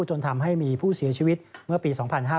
จนทำให้มีผู้เสียชีวิตเมื่อปี๒๕๕๙